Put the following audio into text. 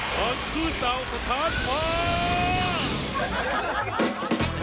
คือเต่าสถานภาพ